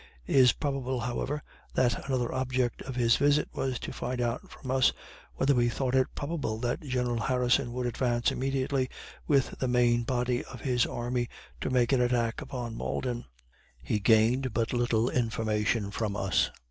It is probable, however, that another object of his visit was to find out from us whether we thought it probable that General Harrison would advance immediately with the main body of his army to make an attack upon Malden. He gained but little information from us.